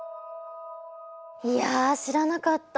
いや知らなかった。